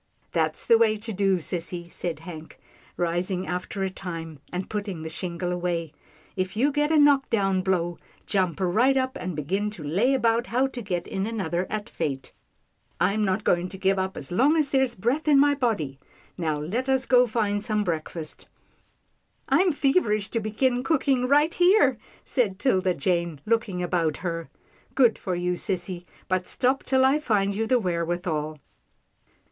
" That's the way to do, sissy," said Hank, ris ing after a time, and putting the shingle away. "If you get a knock down blow, jump right up and begin to lay about how to get in another at fate. I'm not going to give up as long as there's breath in my body — Now let us go find some breakfast." " I'm feverish to begin cooking right here," said 'Tilda Jane looking about her. " Good for you, sissy, but stop till I find you the wherewithal.